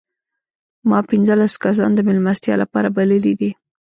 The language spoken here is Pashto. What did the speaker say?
ما پنځلس کسان د مېلمستیا لپاره بللي دي.